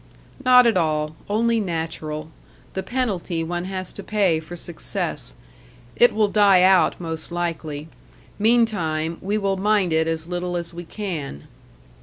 "Not at all. Only natural the penalty one has to pay for success. It will die out most likely; meantime, we will mind it as little as we can."